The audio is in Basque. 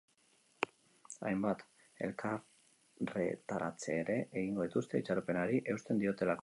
Hainbat elkarretaratze ere egingo dituzte, itxaropenari eusten diotelako.